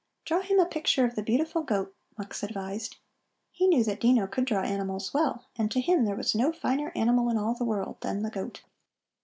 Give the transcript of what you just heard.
"Draw him a picture of the beautiful goat," Mux advised. He knew that Dino could draw animals well, and to him there was no finer animal in all the world than the goat.